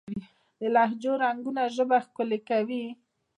د لهجو رنګونه ژبه ښکلې کوي.